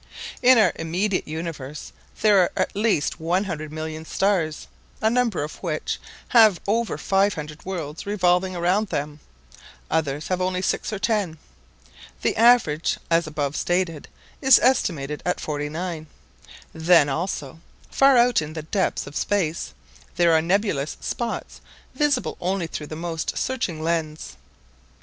In our immediate universe there are at least one hundred million stars, a number of which have over five hundred worlds revolving around them; others have only six or ten. The average, as above stated, is estimated at forty nine. Then, also, far out in the depths of space, there are nebulous spots visible only through the most searching lenses.